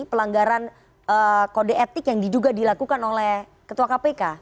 pelanggaran kode etik yang diduga dilakukan oleh ketua kpk